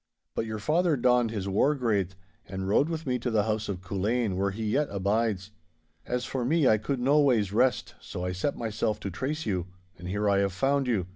But your father donned his war graith and rode with me to the house of Culzean, where he yet abides. As for me, I could noways rest, so I set myself to trace you. And here I have found you.